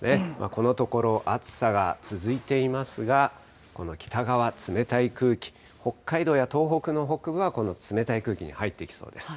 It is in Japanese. このところ暑さが続いていますが、この北側、冷たい空気、北海道や東北の北部はこの冷たい空気に入っていきそうです。